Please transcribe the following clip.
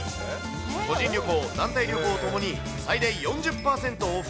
個人旅行、団体旅行ともに最大４０％オフ。